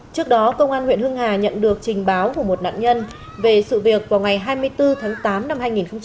trước đó công an huyện hưng hà nhận được trình báo của một nạn nhân về sự việc vào ngày hai mươi bốn tháng tám năm hai nghìn hai mươi ba